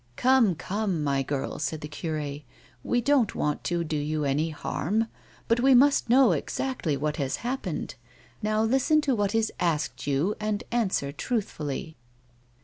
" Come, come, my girl," said the cure, " we don't want to do you any harm, but we must know exactly what has happened. Now listen to what is asked you and answer truthfully."